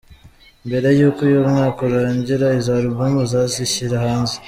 Mbere y’uko uyu mwaka urangira izo album nzazishyira hanze.